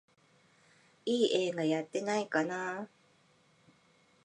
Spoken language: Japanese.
いい映画やってないかなあ